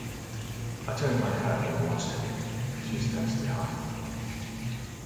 I turn my head and watched him a few steps behind.